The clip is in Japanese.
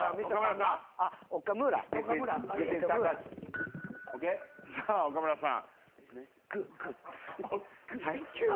さあ岡村さん。